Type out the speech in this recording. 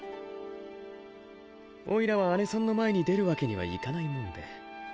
オイラはアネさんの前に出るワケにはいかないもんで。